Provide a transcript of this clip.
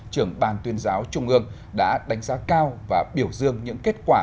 trưởng ban tuyên giáo trung ương đã đánh giá cao và biểu dương những kết quả